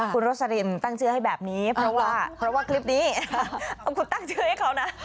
คุณโรสลินตั้งเชื้อให้แบบนี้เพราะว่า